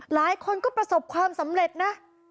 หลายคนก็ประสบความสำเร็จนะ